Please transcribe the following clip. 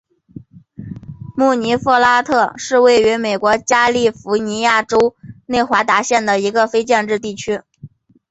穆尼弗拉特是位于美国加利福尼亚州内华达县的一个非建制地区。